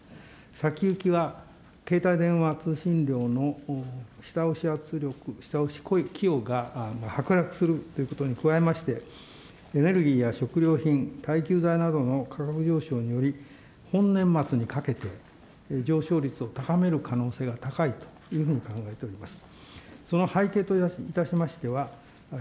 先行きは携帯電話通信料の下押し圧力、下押しが剥落するということに加えまして、エネルギーや食料品、耐久財などの価格上昇により、本年末にかけて、上昇率を高める可能性が高いというふうに考えております。